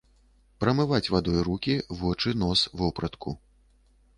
Прамываць вадой рукі, вочы, нос, вопратку.